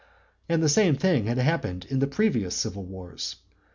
And the same thing had happened in the previous civil wars.